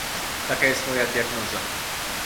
Taka jest moja diagnoza